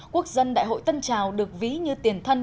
quốc dân đại hội tân trào được ví như tiền thân